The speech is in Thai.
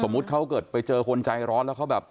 เขาเกิดไปเจอคนใจร้อนแล้วเขาแบบ